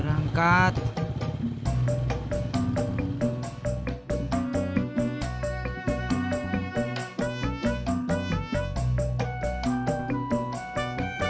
hari tas arangwarx bangsa boy mortar